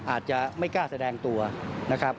อาจจะไม่กล้าแสดงตัวนะครับ